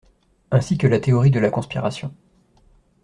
Ainsi que la théorie de la conspiration.